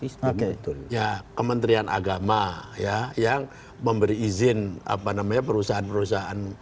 sebetulnya kementerian agama yang memberi izin apa namanya perusahaan perusahaan